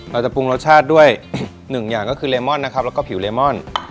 เราจะปรุงรสชาติด้วยหนึ่งอย่างก็คือเลมอนนะครับแล้วก็ผิวเลมอน